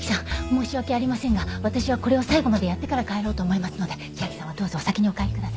申し訳ありませんが私はこれを最後までやってから帰ろうと思いますので千明さんはどうぞお先にお帰りくださいませ。